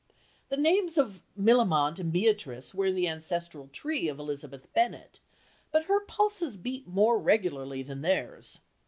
The names of Millamant and Beatrice were in the ancestral tree of Elizabeth Bennet, but her pulses beat more regularly than theirs.